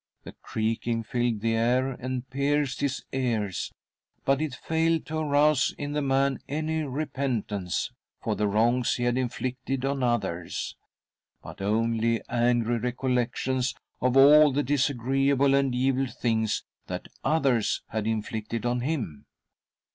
The creaking filled the air and pierced his ears, but it failed to arouse in the man any repentance for the wrongs he had inflicted on others, but only angry recollections of all the disagreeable and evil things that others had inflicted on him.